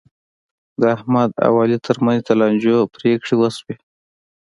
د احمد او علي ترمنځ د لانجو پرېکړې وشولې.